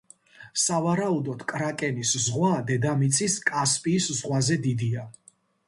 სავარაუდოდ, კრაკენის ზღვა დედამიწის კასპიის ზღვაზე დიდია.